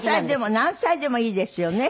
何歳でもいいですよね。